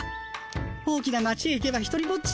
大きな町へ行けばひとりぼっち。